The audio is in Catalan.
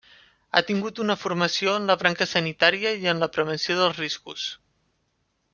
Ha tingut una formació en la branca sanitària i en la prevenció dels riscos.